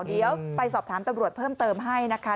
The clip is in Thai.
เดี๋ยวไปสอบถามตำรวจเพิ่มเติมให้นะคะ